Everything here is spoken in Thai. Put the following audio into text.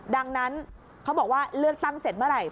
ดังนั้นเขาบอกว่าเลือกตั้งเสร็จเมื่อไหร่